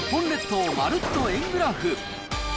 日本列島まるっと円グラフ。